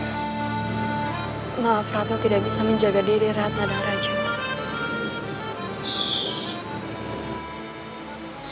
maaf ratno tidak bisa menjaga diri ratna dan rajo